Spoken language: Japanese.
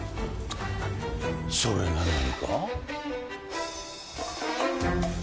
それが何か？